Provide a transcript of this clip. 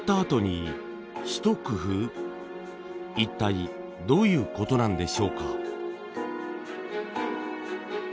一体どういうことなんでしょうか？